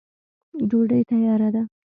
ډوډۍ تیاره ده.